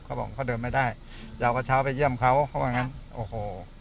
เขาบอกเขาเดินไม่ได้จะเอากระเช้าไปเยี่ยมเขาเขาว่างั้นโอ้โห